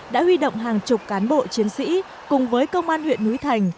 đã huy động hàng chục cán bộ chiến sĩ cùng với công an huyện núi thành